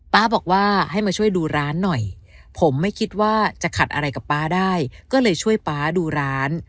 บอกว่าให้มาช่วยดูร้านหน่อยผมไม่คิดว่าจะขัดอะไรกับป๊าได้ก็เลยช่วยป๊าดูร้าน